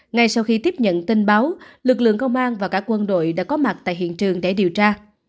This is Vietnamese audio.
ngay sau khi tiếp nhận tin báo lực lượng công an và cả quân đội đã có mặt tại hiện trường để điều tra